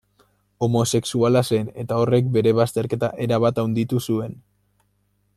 Homosexuala zen eta horrek bere bazterketa erabat handitu zuen.